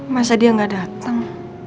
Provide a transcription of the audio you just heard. masa dia gak dateng